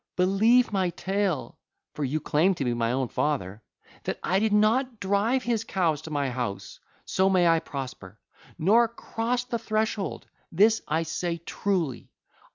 Believe my tale (for you claim to be my own father), that I did not drive his cows to my house—so may I prosper—nor crossed the threshold: this I say truly.